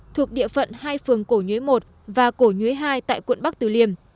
thuộc địa phận hai phường cổ nhuế một và cổ nhuế hai tại quận bắc từ liêm